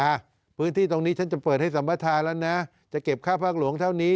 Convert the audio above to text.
พื้นที่ตรงนี้ฉันจะเปิดให้สัมปทานแล้วนะจะเก็บค่าภาคหลวงเท่านี้